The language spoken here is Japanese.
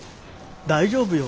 大丈夫よ。